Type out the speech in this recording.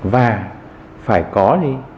và phải có gì